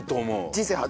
人生初？